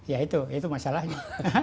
ya itu itu masalahnya